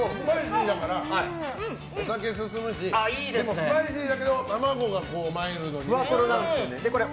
スパイシーだからお酒が進むしでも、スパイシーだけど卵がマイルドにしてくれて。